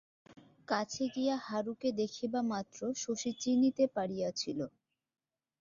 কাছে গিয়া হারুকে দেখিবামাত্র শশী চিনিতে পারিয়াছিল।